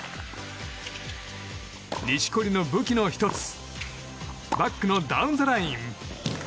錦織の武器の１つバックのダウンザライン。